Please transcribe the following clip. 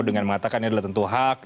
dengan mengatakan ini adalah tentu hak